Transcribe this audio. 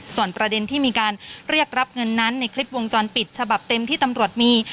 ส่วนประเด็นที่มีการเรียกรับเงินนั้นในคลิปวงจรปิดฉบับเต็มที่ตำรวจมี